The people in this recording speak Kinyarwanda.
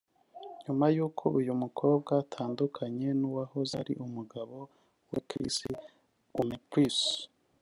nyuma y’uko uyu mukobwa atandukanye n’uwahoze ari umugabo we Kris Humphries